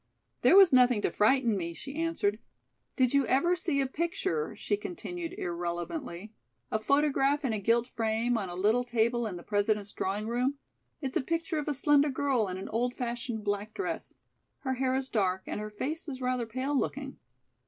"There was nothing to frighten me," she answered. "Did you ever see a picture," she continued irrelevantly, "a photograph in a gilt frame on a little table in the President's drawing room? It's a picture of a slender girl in an old fashioned black dress. Her hair is dark and her face is rather pale looking."